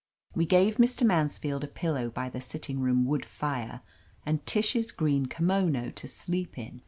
We gave Mr. Mansfield a pillow by the sitting room wood fire, and TisWs green kimono to sleep in.